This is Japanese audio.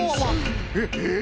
えっええ？